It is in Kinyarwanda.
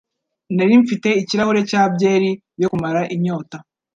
Nari mfite ikirahure cya byeri yo kumara inyota.